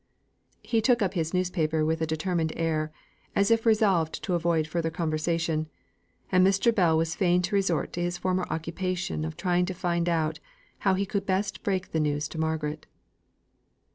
He took up his newspaper with a determined air, as if resolved to avoid further conversation; and Mr. Bell was fain to resort to his former occupation of trying to find out how he could best break the news to Margaret.